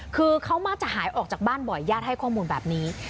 คือเขามักจะหายออกจากบ้านบ่อยญาติให้ข้อมูลแบบนี้